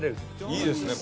いいですね